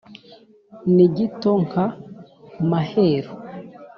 ni gito nka maheru